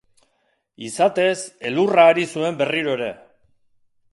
Izatez, elurra ari zuen berriro ere.